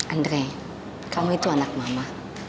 andre kamu itu anak mama